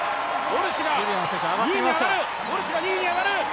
ウォルシュが２位に上がる！